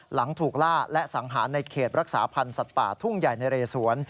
หลังถูกล่าและสังหารในเขตรักษาพันธ์สัตว์ป่าทุ่งใหญ่นะเรสวน